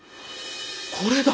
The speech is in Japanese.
これだ！